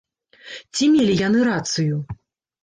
Ці мелі яны рацыю?